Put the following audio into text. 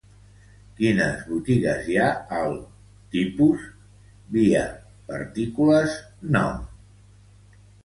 Quines botigues hi ha al TIPUS_VIA PARTICULES NOM?